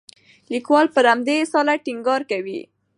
لیکوال پر همدې اصالت ټینګار کوي.